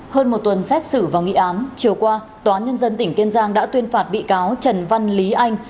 hơn một tuần xét xử và nghị án chiều qua tòa nhân dân tỉnh kiên giang đã tuyên phạt bị cáo trần văn lý anh